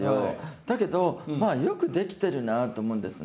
だけどまあよくできてるなと思うんですね。